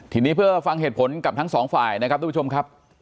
ทีนี้เพื่อฟังเหตุผลกับทั้งสองฝ่ายนะครับทุกผู้ชมครับ